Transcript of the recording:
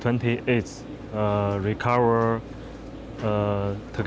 dan berada di posisi terdepan selama delapan tahun berturut turut